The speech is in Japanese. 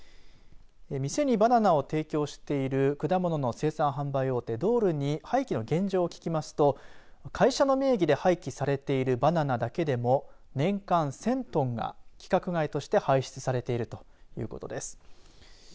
店にバナナを提供している果物の生産販売大手ドールに廃棄の現状を聞きますと会社の名義で廃棄されているバナナだけでも年間１０００トンが規格外として排出されているということです。